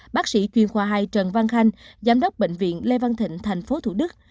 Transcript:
bác sĩ chuyên khoa hai trần văn khanh giám đốc bệnh viện lê văn thịnh tp thủ đức